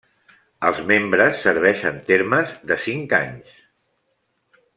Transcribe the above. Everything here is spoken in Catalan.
Els membres serveixen termes de cinc anys.